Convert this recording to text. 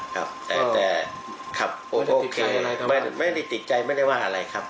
ครับแต่ครับโอเคไม่ได้ติดใจไม่ได้ว่าอะไรครับ